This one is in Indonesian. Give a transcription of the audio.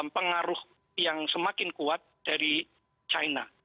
pengaruh yang semakin kuat dari china